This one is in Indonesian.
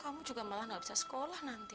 kamu juga malah gak bisa sekolah nanti